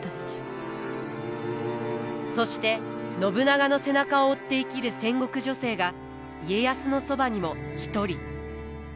そして信長の背中を追って生きる戦国女性が家康のそばにも一人。